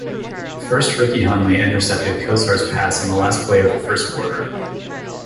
First Ricky Hunley intercepted Kosar's pass on the last play of the first quarter.